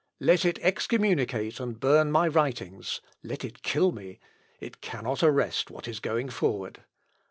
Let it excommunicate and burn my writings; ... let it kill me! it cannot arrest what is going forward.